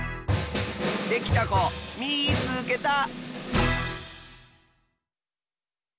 できたこみいつけた！